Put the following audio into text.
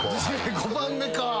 ５番目かぁ。